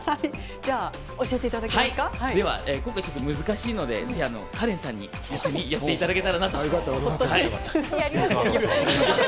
では今回、ちょっと難しいのでカレンさんにやっていただけたらなと思います。